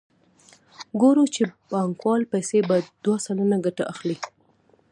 ګورو چې بانکوال پیسې په دوه سلنه ګټه اخلي